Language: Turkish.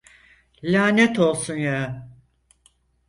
Lanet olsun ya.